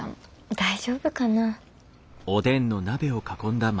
大丈夫かなぁ。